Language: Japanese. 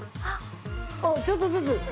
あっちょっとずつ。